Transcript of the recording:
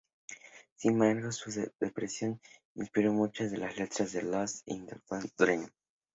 Sin embargo, su depresión inspiró muchas de las letras de "Lost in the Dream".